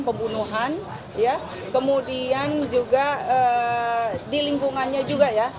pembunuhan kemudian juga di lingkungannya juga ya